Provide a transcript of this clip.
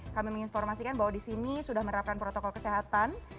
kami menginformasikan bahwa di sini sudah menerapkan protokol kesehatan